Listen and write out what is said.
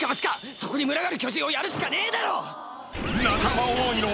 そこに群がる巨人をやるしかねえだろ！